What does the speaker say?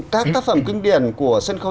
các tác phẩm kinh điển của sân khấu